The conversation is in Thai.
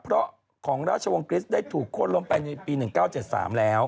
เพราะของราชวงศริสได้ถูกคนล้มไปในปี๑๙๗๓แล้ว